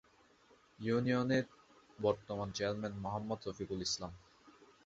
ইউনিয়নের বর্তমান চেয়ারম্যান মোহাম্মদ রফিকুল ইসলাম।